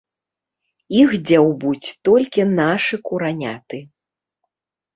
Іх дзяўбуць толькі нашы кураняты.